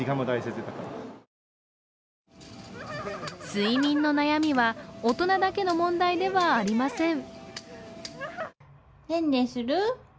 睡眠の悩みは大人だけの問題ではありません。